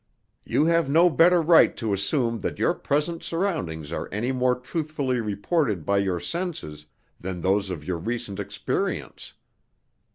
You have no better right to assume that your present surroundings are any more truthfully reported by your senses than those of your recent experience.